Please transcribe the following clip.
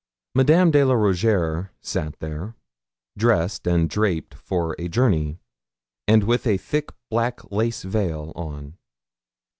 Madame de la Rougierre sat there, dressed and draped for a journey, and with a thick black lace veil on.